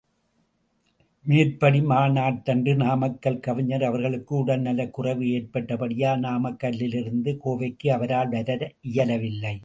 மேற்படி மாநாட்டன்று நாமக்கல் கவிஞர் அவர்களுக்கு உடல் நலக் குறைவு ஏற்பட்டபடியால் நாமக்கல்லிலிருந்து கோவைக்கு அவரால் வர இயலவில்லை.